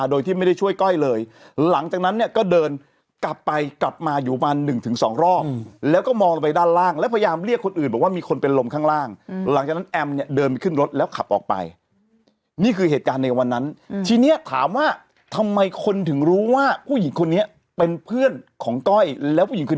โดยที่ไม่ได้ช่วยก้อยเลยหลังจากนั้นเนี่ยก็เดินกลับไปกลับมาอยู่ประมาณหนึ่งถึงสองรอบแล้วก็มองลงไปด้านล่างแล้วพยายามเรียกคนอื่นบอกว่ามีคนเป็นลมข้างล่างหลังจากนั้นแอมเนี่ยเดินขึ้นรถแล้วขับออกไปนี่คือเหตุการณ์ในวันนั้นทีนี้ถามว่าทำไมคนถึงรู้ว่าผู้หญิงคนนี้เป็นเพื่อนของก้อยแล้วผู้หญิงคือ